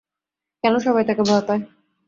কেন সবাই তাকে ভয় পায়?